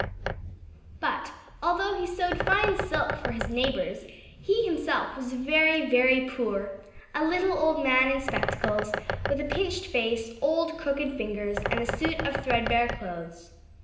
But although he sewed fine silk for his neighbours, he himself was very, very poor a little old man in spectacles, with a pinched face, old crooked fingers, and a suit of thread bare clothes.